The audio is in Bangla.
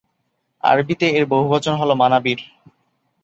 আরবিতে এর বহুবচন হল মানাবির।